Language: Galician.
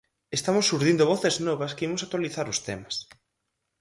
Estamos xurdindo voces novas que imos actualizar os temas.